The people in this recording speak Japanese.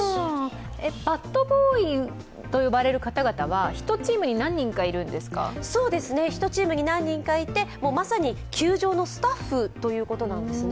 バットボーイと呼ばれる方々は１チームにはい、１チームに何人かいてまさに球場のスタッフということなんですね。